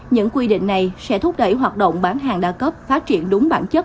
những quy định này sẽ thúc đẩy hoạt động bán hàng đa cấp phát triển đúng bản chất